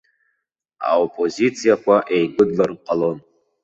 Аоппозициақәа еигәыдлар ҟалон.